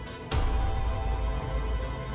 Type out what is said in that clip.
kasian tahu keatna